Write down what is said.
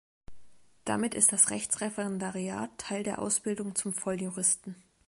Damit ist das Rechtsreferendariat Teil der Ausbildung zum Volljuristen.